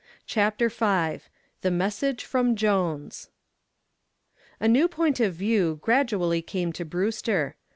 CHAPTER V THE MESSAGE FROM JONES A new point of view gradually came to Brewster.